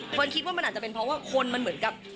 คนคิดว่ามันอาจจะเป็นเพราะว่าคนมันเหมือนกับ